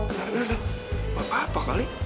gak ada ada gak apa apa kali